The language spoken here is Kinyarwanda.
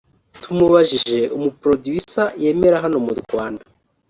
tumubajije umu Producer yemera hano mu Rwanda